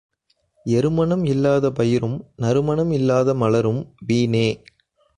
எருமணம் இல்லாத பயிரும் நறுமணம் இல்லாத மலரும் வீணே.